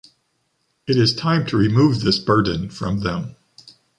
It is time to remove this burden from them.